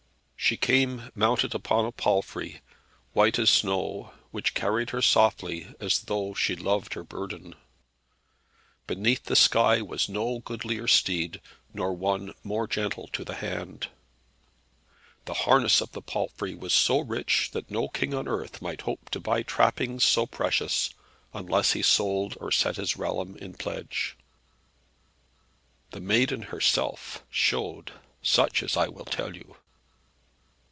She came mounted upon a palfrey, white as snow, which carried her softly, as though she loved her burthen. Beneath the sky was no goodlier steed, nor one more gentle to the hand. The harness of the palfrey was so rich, that no king on earth might hope to buy trappings so precious, unless he sold or set his realm in pledge. The Maiden herself showed such as I will tell you.